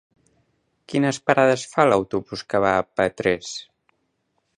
Quines parades fa l'autobús que va a Petrés?